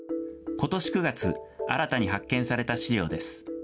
ことし９月、新たに発見された資料です。